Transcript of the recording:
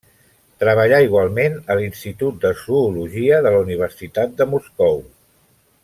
Treballà igualment a l'Institut de Zoologia de la Universitat de Moscou.